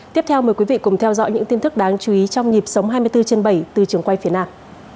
tiếp theo mời quý vị cùng theo dõi những tin tức đáng chú ý trong nhịp sống hai mươi bốn trên bảy từ trường quay phía nam